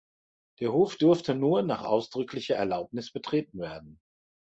Der Hof durfte nur nach ausdrücklicher Erlaubnis betreten werden.